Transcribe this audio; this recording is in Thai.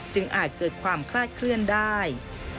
อาจเกิดความคลาดเคลื่อนได้